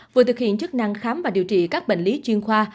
vừa thực hiện chức năng khám và điều trị các bệnh lý chuyên khoa